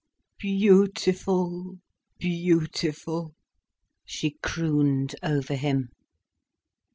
Beautiful, beautiful," she crooned over him.